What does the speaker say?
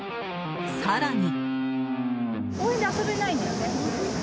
更に。